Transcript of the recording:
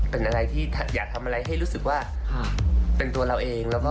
เป็นอะไรที่อยากทำอะไรให้รู้สึกว่าเป็นตัวเราเอง